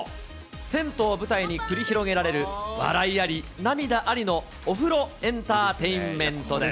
銭湯を舞台に繰り広げられる笑いあり、涙ありの、お風呂エンターテインメントです。